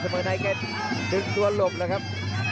สเมอร์ไนท์กันนึกตัวหลบแล้วครับ